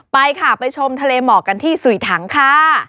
ไปค่ะไปชมทะเลหมอกกันที่สุยถังค่ะ